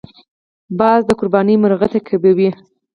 باز د قرباني مرغه تعقیبوي